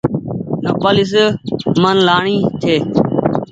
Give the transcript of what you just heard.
نوپآليس من لآڻي ڇي۔